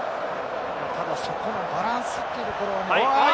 ただ、そこのバランスというところは。